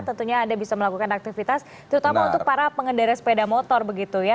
tentunya anda bisa melakukan aktivitas terutama untuk para pengendara sepeda motor begitu ya